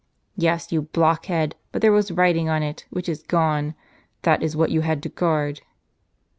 "Yes, you blockhead, but there was writing on it, which is gone. That is what you had to guard."